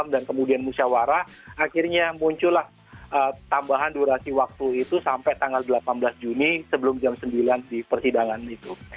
dan kemudian musyawara akhirnya muncullah tambahan durasi waktu itu sampai tanggal delapan belas juni sebelum jam sembilan di persidangan itu